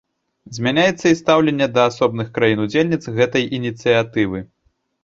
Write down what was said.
Змяняецца і стаўленне да асобных краін-удзельніц гэтай ініцыятывы.